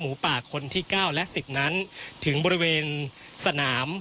ป่าคนที่๙และ๑๐นั้นถึงบริเวณสนาม